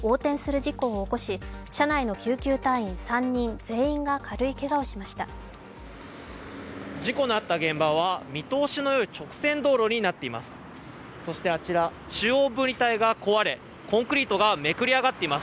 事故のあった現場は見通しのいい直線道路になっています。